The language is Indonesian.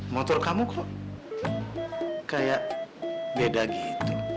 motor kamu kok kayak beda gitu